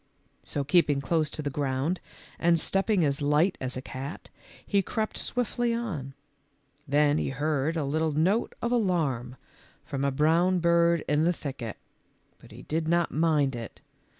So keeping close to the ground and stepping as light as a cat, he crept swiftly on. Then he heard a little note of alarm from a 142 THE LITTLE FORESTERS. brown bird in the thicket, but he did not mind it.